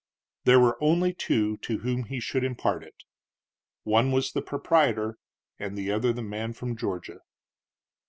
There were only two to whom he should impart it, one was the proprietor and the other the man from Georgia.